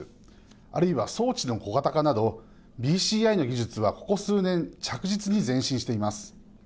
あるいは装置の小型化などＢＣＩの技術は、ここ数年着実に前進しています。